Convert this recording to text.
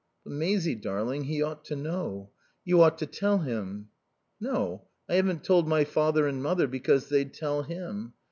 "But, Maisie darling, he ought to know. You ought to tell him." "No. I haven't told my father and mother because they'd tell him.